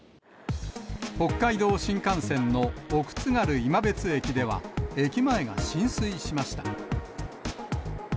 北海道新幹線の奥津軽いまべつ駅では、駅前が浸水しました。